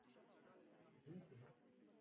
زما سرک په همواره ساحه کې دی او عمودي ګولایي نلري